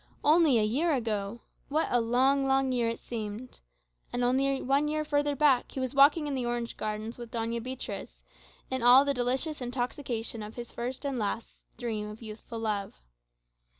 Only a year ago! What a long, long year it seemed! And only one year further back he was walking in the orange gardens with Doña Beatriz, in all the delicious intoxication of his first and last dream of youthful love.